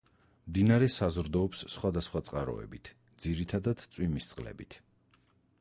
მდინარე საზრდოობს სხვადასხვა წყაროებით, ძირითადად წვიმის წყლებით.